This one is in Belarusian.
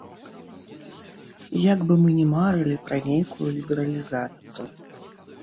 Як бы мы ні марылі пра нейкую лібералізацыю.